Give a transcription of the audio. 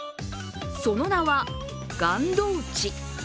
その名は、がんどうち。